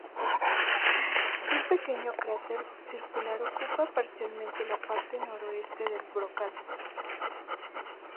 Un pequeño cráter circular ocupa parcialmente la parte noroeste del brocal.